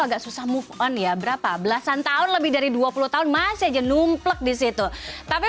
agak susah move on ya berapa belasan tahun lebih dari dua puluh tahun masih aja numplek disitu tapi